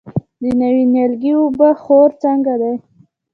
د نوي نیالګي اوبه خور څنګه دی؟